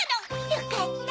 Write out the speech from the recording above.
よかった。